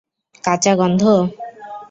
কাঁচা গন্ধ?